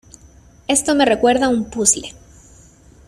Esto me recuerda a un puzle.